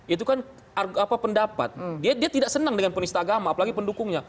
itu kan pendapat dia tidak senang dengan penista agama apalagi pendukungnya